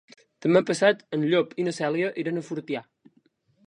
Demà passat en Llop i na Cèlia iran a Fortià.